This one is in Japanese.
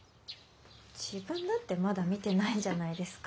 自分だってまだ見てないんじゃないですか。